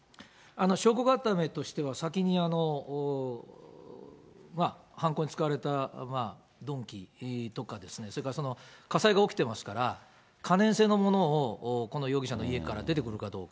証拠固めとしては、先に犯行に使われた鈍器とか、それから火災が起きてますから、可燃性のものをこの容疑者の家から出てくるかどうか。